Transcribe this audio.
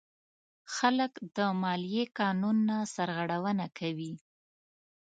خلک د مالیې قانون نه سرغړونه کوي.